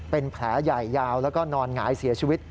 เป็นแผลใหญ่ยาวแล้วก็นอนหงายเสียชีวิต